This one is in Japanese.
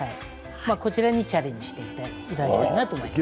こちらにチャレンジしていきたいと思います。